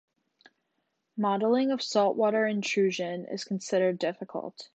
Modeling of saltwater intrusion is considered difficult.